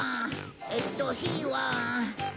えっと火は。